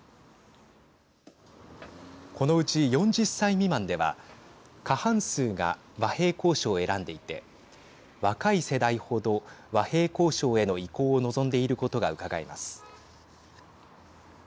このうち４０歳未満では過半数が和平交渉を選んでいて若い世代程和平交渉への移行を望んでいることがうかがえます。